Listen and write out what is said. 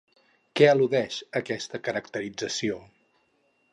Què al·ludeix aquesta caracterització?